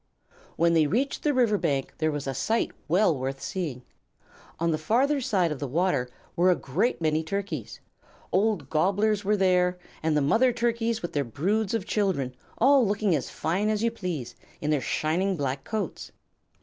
When they reached the river bank there was a sight well worth seeing. On the farther side of the water were a great many Turkeys. Old Gobblers were there, and the mother Turkeys with their broods of children, all looking as fine as you please, in their shining black coats.